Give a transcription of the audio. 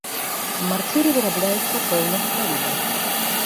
Марціры вырабляюцца пэўнага калібру.